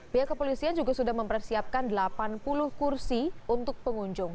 pihak kepolisian juga sudah mempersiapkan delapan puluh kursi untuk pengunjung